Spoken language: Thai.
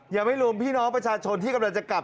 ยังไม่รวมพี่น้องประชาชนที่กำลังจะกลับ